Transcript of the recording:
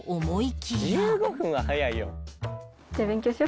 「１５分は早いよ」